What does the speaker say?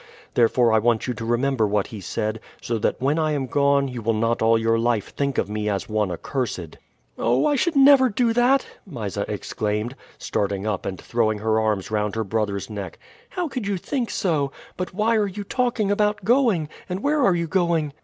Therefore I want you to remember what he said, so that when I am gone you will not all your life think of me as one accursed." "Oh! I should never do that!" Mysa exclaimed, starting up and throwing her arms round her brother's neck. "How could you think so? But why are you talking about going, and where are you going?"